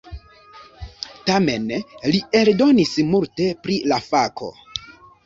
Tamen li eldonis multe pri la fako.